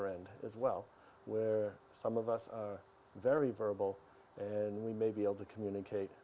jadi dalam otisme misalnya kita menemukan perbedaan dalam komunikasi